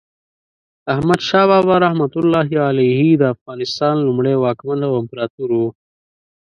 احمد شاه بابا رحمة الله علیه د افغانستان لومړی واکمن او امپراتور و.